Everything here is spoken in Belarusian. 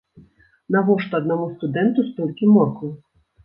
Навошта аднаму студэнту столькі морквы?